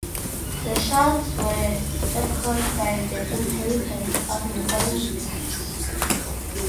The shouts were echoed by the inhabitants of neighboring villages.